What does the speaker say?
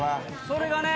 それがね。